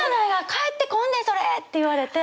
返ってこんでそれ！」って言われて。